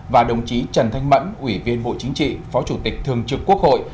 và đồng chí trần thanh mẫn ủy viên bộ chính trị phó chủ tịch thường trực quốc hội